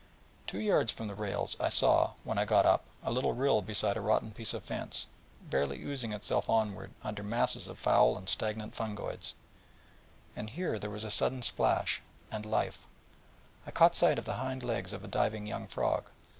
Two yards from the rails I saw, when I got up, a little rill beside a rotten piece of fence, barely oozing itself onward under masses of foul and stagnant fungoids: and here there was a sudden splash, and life: and I caught sight of the hind legs of a diving young frog.